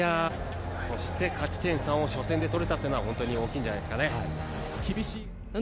勝ち点３を初戦で取れたというのは本当に大きいんじゃないんですかね。